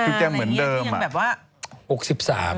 คือแกเหมือนเดิม